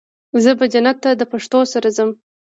زه به جنت ته د پښتو سره ځو